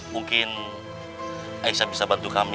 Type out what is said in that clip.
mungkin aisyah bisa bantu kami